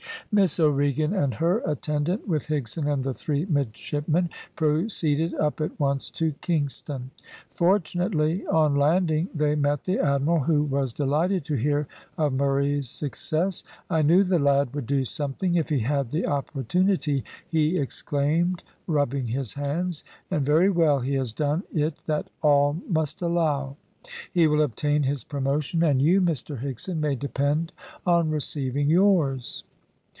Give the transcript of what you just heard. Miss O'Regan and her attendant, with Higson and the three midshipmen, proceeded up at once to Kingston. Fortunately, on landing, they met the admiral, who was delighted to hear of Murray's success. "I knew the lad would do something if he had the opportunity," he exclaimed, rubbing his hands, "and very well he has done it, that all must allow. He will obtain his promotion, and you, Mr Higson, may depend on receiving yours."